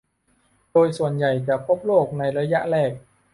โดยส่วนใหญ่จะพบโรคในระยะแรก